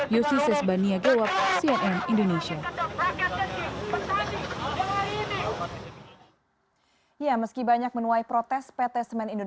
yosi sesbania gewap siawan